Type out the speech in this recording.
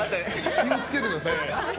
気を付けてください